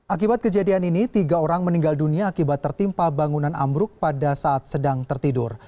akibat kejadian ini tiga orang meninggal dunia akibat tertimpa bangunan ambruk pada saat sedang tertidur